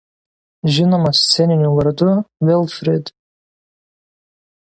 Žinomas sceniniu vardu Wilfried.